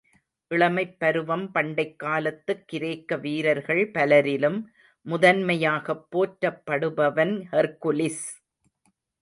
இளமைப் பருவம் பண்டைக் காலத்துக் கிரேக்க வீரர்கள் பலரிலும் முதன்மையாகப் போற்றப்படுபவன் ஹெர்க்குலிஸ்.